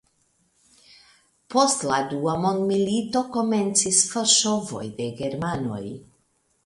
Post la dua mondmilito komencis forŝovoj de germanoj.